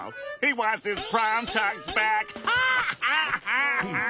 ああ！